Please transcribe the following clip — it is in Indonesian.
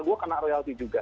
saya kena royalti juga